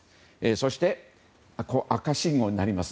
そして赤信号になります。